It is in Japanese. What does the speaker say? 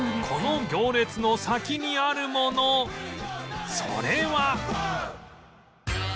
この行列の先にあるものそれは